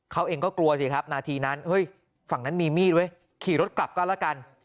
เขาเองก็กลัวสิครับนาทีนั้นเฮ้ยฝั่งนั้นมีมีดเว้ยขี่รถกลับก็แล้วกัน